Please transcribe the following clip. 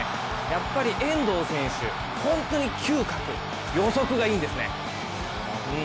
やっぱり遠藤選手、本当に嗅覚、予測がいいですね。